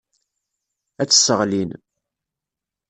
Ad tt-sseɣlin.